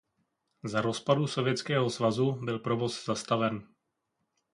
Za rozpadu Sovětského svazu byl provoz zastaven.